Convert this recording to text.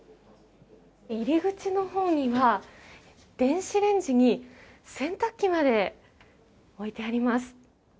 入り口のほうには電子レンジに洗濯機まで置いてあります。